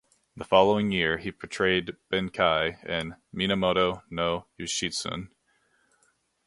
The following year, he portrayed Benkei in "Minamoto no Yoshitsune".